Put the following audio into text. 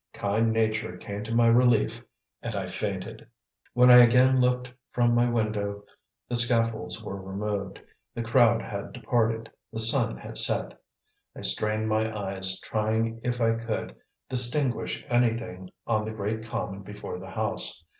Kind nature came to my relief, and I fainted. When I again looked from my window the scaffolds were removed, the crowd had departed, the sun had set. I strained my eyes, trying if I could distinguish anything on the great common before the house.